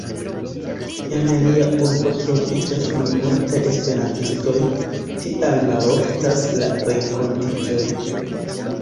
En lia urbo troviĝas malmultaj esperantistoj, tial maloftas la renkontiĝoj.